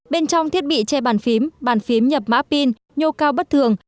bên trong thiết bị che bàn phím bàn phím nhập mã pin nhô cao bất thường